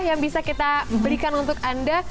yang bisa kita berikan untuk anda